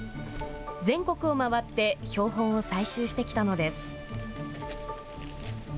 全国を回って標本を採集してきたのです。